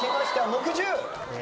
木１０！